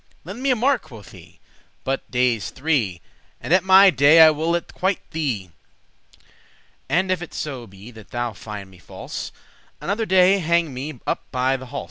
"Lend me a mark," quoth he, "but dayes three, And at my day I will it quite thee. And if it so be that thou find me false, Another day hang me up by the halse."